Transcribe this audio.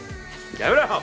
やめろよ！